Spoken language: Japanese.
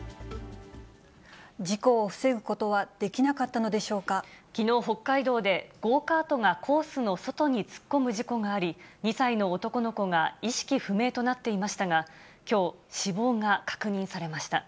事故を防ぐことはできなかっきのう、北海道でゴーカートがコースの外に突っ込む事故があり、２歳の男の子が意識不明となっていましたが、きょう、死亡が確認されました。